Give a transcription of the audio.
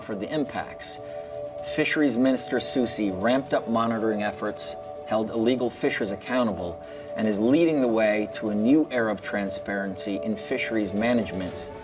pemerintah susi telah mengeratkan perusahaan pencuci ikan menjaga kepentingan ikan yang tidak ada dan menjadikan perubatan arab baru dalam pengurusan pengurusan ikan